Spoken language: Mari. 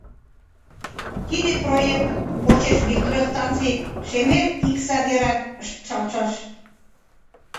Тиде проект почеш гидростанций Шемер икса деран ышталтшаш.